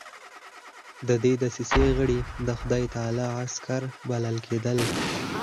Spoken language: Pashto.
د دې دسیسې غړي د خدای تعالی عسکر بلل کېدل.